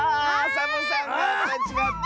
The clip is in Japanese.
サボさんがちがった！